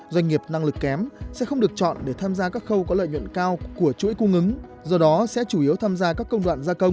doanh nghiệp năng lực kém sẽ không được chọn để tham gia các khâu có lợi nhuận cao của chuỗi cung ứng do đó sẽ chủ yếu tham gia các công đoạn gia công